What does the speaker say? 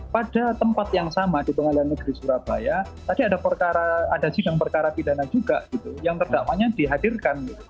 pada tempat yang sama di pengadilan negeri surabaya tadi ada sidang perkara pidana juga yang terdakwanya dihadirkan